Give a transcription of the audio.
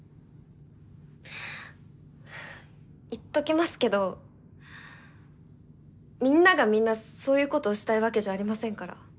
言っときますけどみんながみんなそういうことをしたいわけじゃありませんから。